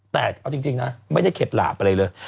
แต่เอาจริงนะไม่ได้เข็ดหลาบอะไรเลย